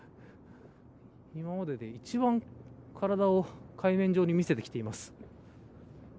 今までで一番体を海面上に見せてきています。